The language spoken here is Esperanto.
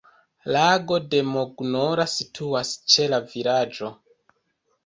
Lago de Mognola situas ĉe la vilaĝo.